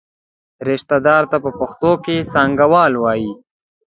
رشته دار ته په پښتو کې څانګوال وایي.